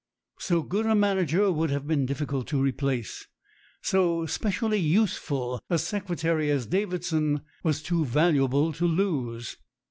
So good a manager would have been difficult to replace. So specially useful a secretary as Davidson was too valuable to lose.